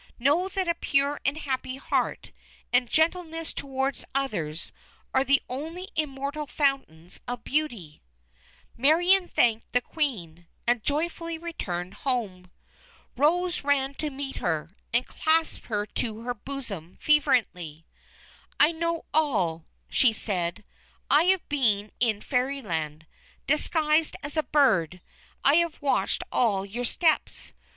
Know that a pure and happy heart, and gentleness toward others, are the only Immortal Fountains of Beauty!" Marion thanked the Queen, and joyfully returned home. Rose ran to meet her, and clasped her to her bosom fervently. "I know all," she said; "I have been in Fairyland. Disguised as a bird, I have watched all your steps.